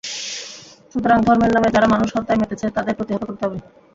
সুতরাং ধর্মের নামে যারা মানুষ হত্যায় মেতেছে, তাদের প্রতিহত করতে হবে।